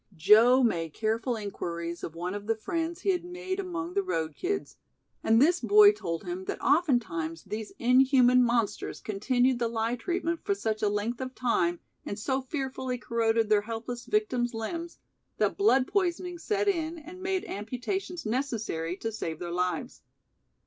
] Joe made careful inquiries of one of the friends he had made among the road kids, and this boy told him that oftentimes these inhuman monsters continued the lye treatment for such a length of time and so fearfully corroded their helpless victim's limbs, that blood poisoning set in and made amputations necessary to save their lives.